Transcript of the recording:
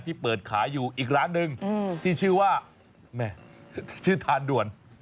เปิดขายอยู่อีกร้านหนึ่งที่ชื่อว่าแม่ชื่อทานด่วน